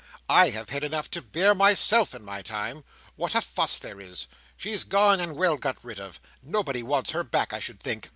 I have had enough to bear myself, in my time! What a fuss there is! She's gone, and well got rid of. Nobody wants her back, I should think!"